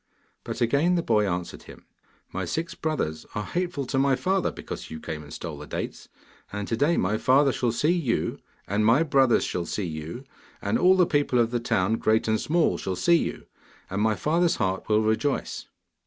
But again the boy answered him: 'My six brothers are hateful to my father because you came and stole the dates, and to day my father shall see you, and my brothers shall see you, and all the people of the town, great and small, shall see you. And my father's heart will rejoice.